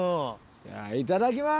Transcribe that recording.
じゃあいただきます！